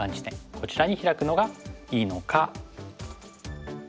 こちらにヒラくのがいいのか。